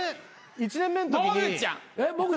１年目のときに。